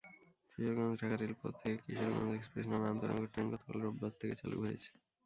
কিশোরগঞ্জ-ঢাকা রেলপথে কিশোরগঞ্জ এক্সপ্রেস নামে আন্তনগর ট্রেন গতকাল রোববার থেকে চালু হয়েছে।